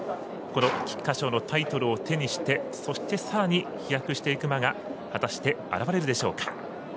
菊花賞のタイトルを手にしてそして、さらに飛躍していく馬が果たして現れるでしょうか。